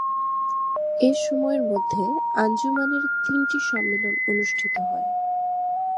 এ সময়ের মধ্যে আঞ্জুমানের তিনটি সম্মেলন অনুষ্ঠিত হয়।